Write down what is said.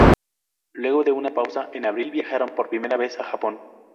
Luego de una pausa, en abril viajaron por primera vez a Japón.